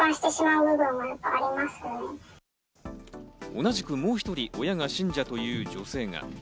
同じくもうひとり、親が信者という女性が。